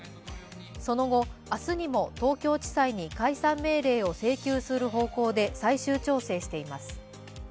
その後、明日にも東京地裁に解散命令を請求する方向で最終調整しています。